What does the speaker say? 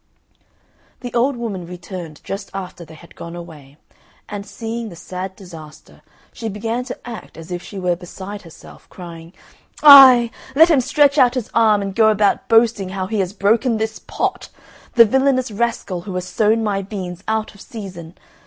The old woman returned just after they had gone away, and seeing the sad disaster, she began to act as if she were beside herself, crying, "Ay, let him stretch out his arm and go about boasting how he has broken this pot! The villainous rascal who has sown my beans out of season.